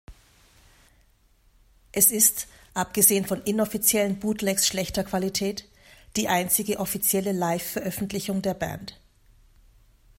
Es ist, abgesehen von inoffiziellen Bootlegs schlechter Qualität, die einzige offizielle Live-Veröffentlichung der Band.